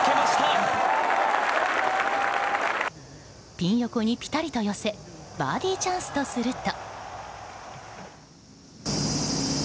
ピン横にピタリと寄せバーディーチャンスとすると。